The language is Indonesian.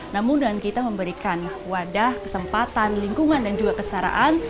namun dengan kita memberikan wadah kesempatan lingkungan dan juga kestaraan